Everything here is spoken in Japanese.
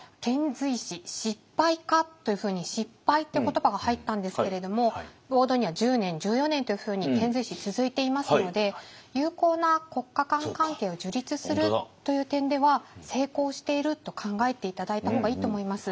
遣隋使「しっぱいか？」というふうに失敗って言葉が入ったんですけれどもボードには１０年１４年というふうに遣隋使続いていますので友好な国家間関係を樹立するという点では成功していると考えて頂いた方がいいと思います。